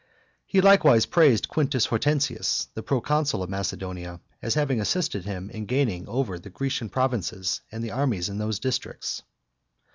He likewise praised Quintus Hortensius, the proconsul of Macedonia, as having assisted him in gaining over the Grecian provinces and the armies in those districts.